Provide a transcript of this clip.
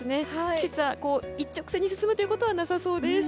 季節が一直線に進むことはなさそうです。